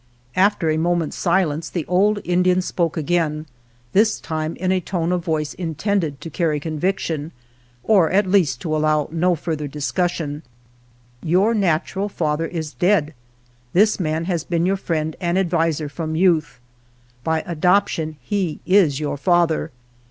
After a moment's silence the old Indian spoke again, this time in a tone of voice in tended to carry conviction, or at least to allow no further discussion. " Your natural •• XII INTRODUCTORY father is dead, this man has been your friend and adviser from youth. By adoption he is your father.